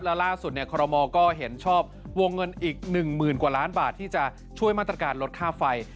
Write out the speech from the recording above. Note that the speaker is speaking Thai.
แล้วล่าสุดคอรมอลก็เห็นชอบวงเงินอีก๑๐๐๐กว่าล้านบาทที่จะช่วยมาตรการลดค่าไฟ